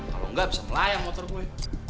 kalau nggak bisa melayang motor gue